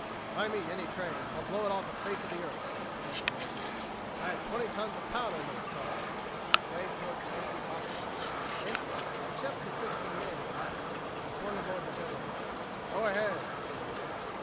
"If I meet any train, I'll blow it off the face of the earth!" answered Andrews. "I have twenty tons of powder in those cars." He waved toward the empty box cars empty except for the sixteen men in the last. He swung aboard the General. "Go ahead," he ordered.